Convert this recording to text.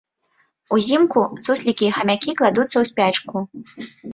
Узімку суслікі і хамякі кладуцца ў спячку.